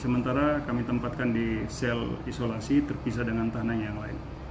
sementara kami tempatkan di sel isolasi terpisah dengan tanah yang lain